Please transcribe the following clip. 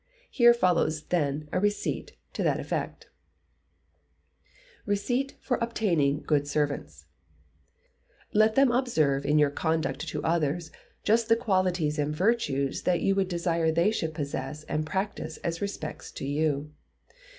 Here follows, then, a receipt to that effect: Receipt for obtaining good servants. Let them observe in your conduct to others just the qualities and virtues that you would desire they should possess and practise as respects you.